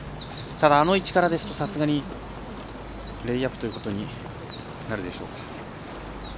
ただ、あの位置からですとさすがにレイアップということになるでしょうか。